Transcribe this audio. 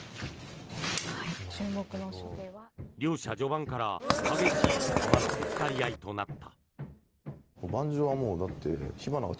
両者、序盤から激しい駒のぶつかり合いとなった。